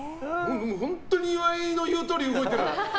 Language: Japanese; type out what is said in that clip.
本当に岩井の言うとおり動いてる！